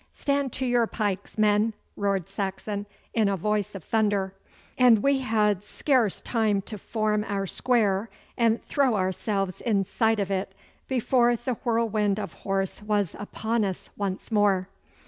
'Stand to your pikes, men!' roared Saxon, in a voice of thunder, and we had scarce time to form our square and throw ourselves inside of it, before the whirlwind of horse was upon us once more.